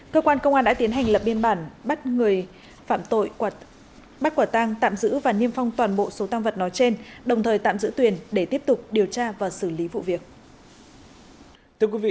cơ quan công an đã tiến hành lập biên bản bắt người phạm tội bắt quả tang tạm giữ và niêm phong toàn bộ số tăng vật nói trên đồng thời tạm giữ tuyền để tiếp tục điều tra và xử lý vụ việc